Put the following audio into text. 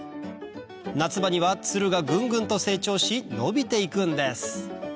夏場にはつるがぐんぐんと成長し伸びて行くんです